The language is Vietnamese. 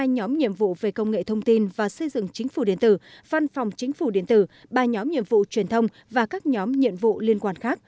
hai mươi nhóm nhiệm vụ về công nghệ thông tin và xây dựng chính phủ điện tử văn phòng chính phủ điện tử ba nhóm nhiệm vụ truyền thông và các nhóm nhiệm vụ liên quan khác